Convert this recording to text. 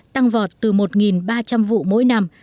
tăng vọt từ một ba trăm linh vụ mỗi năm